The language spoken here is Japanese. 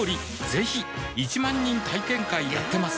ぜひ１万人体験会やってます